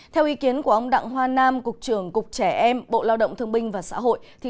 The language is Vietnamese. theo ý kiến của ông đặng hoa nam cục trưởng cục trẻ em bộ lao động thương binh và xã hội